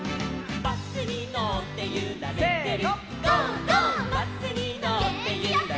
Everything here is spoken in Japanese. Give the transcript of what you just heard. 「バスにのってゆられてる」